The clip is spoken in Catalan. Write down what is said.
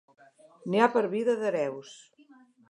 N'hi ha per vida d'hereus.